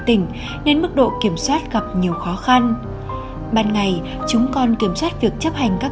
tỉnh nên mức độ kiểm soát gặp nhiều khó khăn ban ngày chúng còn kiểm soát việc chấp hành các